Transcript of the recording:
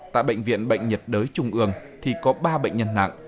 tại bệnh viện bệnh nhiệt đới trung ương thì có ba bệnh nhân nặng